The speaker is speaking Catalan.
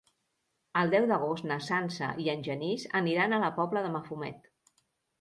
El deu d'agost na Sança i en Genís aniran a la Pobla de Mafumet.